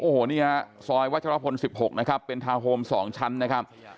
โอ้โหนี่ฮะซอยวัชรพล๑๖นะครับเป็นทาวนโฮม๒ชั้นนะครับ